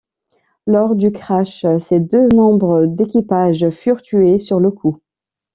Lors du crash ses deux membres d'équipage furent tués sur le coup.